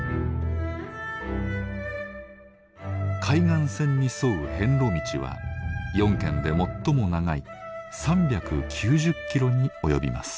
海岸線に沿う遍路道は４県で最も長い３９０キロに及びます。